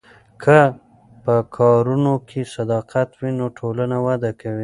که په کارونو کې صداقت وي نو ټولنه وده کوي.